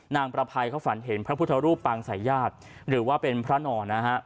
ประภัยเขาฝันเห็นพระพุทธรูปปางสายญาติหรือว่าเป็นพระนอนนะฮะ